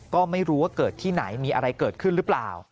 ก็ไม่รู้ว่าเกิดที่ไหนมีอะไรเกิดขึ้นหรือเปล่า